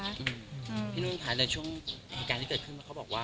พี่นุ้นผ่านในช่วงประการที่เกิดขึ้นเขาบอกว่า